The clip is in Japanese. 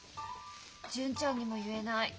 純ちゃんにも言えない。